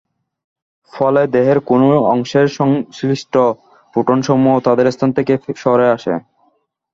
ফলে, দেহের কোনো অংশের সংশ্লিষ্ট প্রোটনসমূহ তাদের স্থান থেকে সরে আসে।